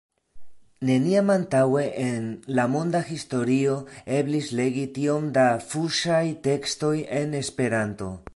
Neniam antaŭe en la monda historio eblis legi tiom da fuŝaj tekstoj en Esperanto.